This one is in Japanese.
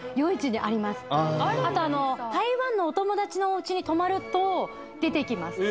あとあの台湾のお友達のおうちに泊まると出てきます